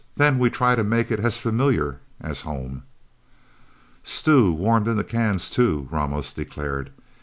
Then we try to make it as familiar as home." "Stew, warmed in the cans, too," Ramos declared.